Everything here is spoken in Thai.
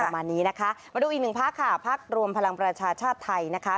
มานี้นะคะมาดูอีก๑พักค่ะพักรวมพลังประชาชาธิ์ไทยนะคะ